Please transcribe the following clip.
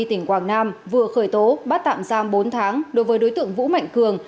tỉnh quảng nam vừa khởi tố bắt tạm giam bốn tháng đối với đối tượng vũ mạnh cường